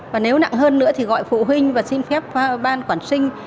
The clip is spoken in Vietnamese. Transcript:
và nếu nặng hơn nữa thì gọi phụ huynh và xin phép ban quản sinh